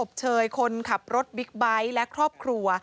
เชยคนขับรถบิ๊กไบท์และครอบครัว